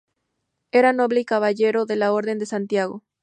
Era noble y caballero de la Orden de Santiago.